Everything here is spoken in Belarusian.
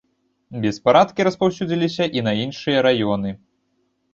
Беспарадкі распаўсюдзіліся і на іншыя раёны.